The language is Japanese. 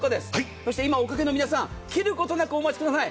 そして今おかけの皆さん切ることなくお待ちください。